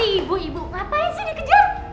ibu ibu ngapain sih dikejar